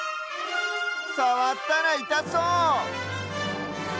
さわったらいたそう！